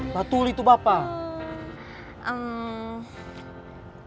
patuli itu bapak